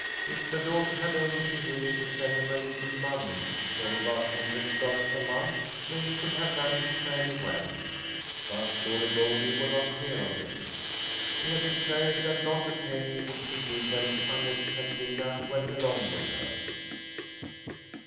If the daughter had only been willing to send them a little money say about ten rix dollars a month they could have managed fairly well. But Glory would not hear of this; she had declared that not a penny would she give them unless Katrina went along with her.